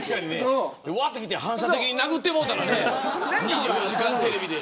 うわっと来て、反射的に殴ってもうたらね２４時間テレビで。